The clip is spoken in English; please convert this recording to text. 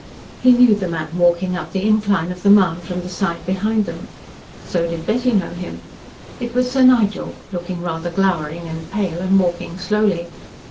He knew the man walking up the incline of the mound from the side behind them. So did Betty know him. It was Sir Nigel looking rather glowering and pale and walking slowly.